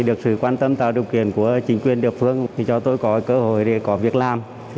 được sự quan tâm tạo điều kiện của chính quyền địa phương cho tôi có cơ hội để có việc làm